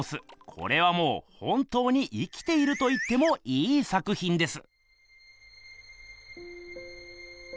これはもう本当に生きていると言ってもいい作ひんです。